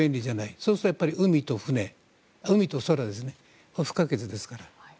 そうすると、海と空が不可欠ですから。